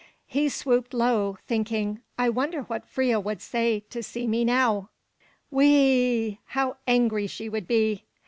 He swooped low, thinking, "I wonder what Freia would say to see me now! Whee e e! How angry she would be!"